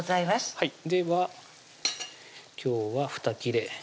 はいでは今日はふた切れ